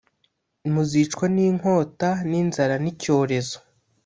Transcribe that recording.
muzicwa n inkota n inzara n icyorezo